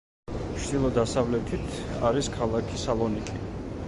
ჩრდილო-დასავლეთით არის ქალაქი სალონიკი.